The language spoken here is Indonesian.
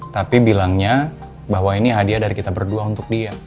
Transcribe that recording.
tapi bilangnya bahwa ini hadiah dari kita berdua untuk dia